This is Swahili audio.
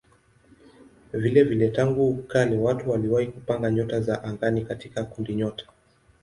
Vilevile tangu kale watu waliwahi kupanga nyota za angani katika kundinyota.